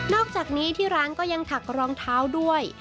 อกจากนี้ที่ร้านก็ยังถักรองเท้าด้วย